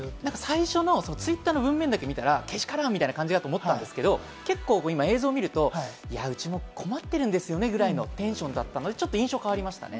最初のツイッターの文面だけ見たら、けしからんって感じだと思ったんですけど、映像を見るとうちも困ってるんですよねぐらいのテンションだったので、印象変わりましたね。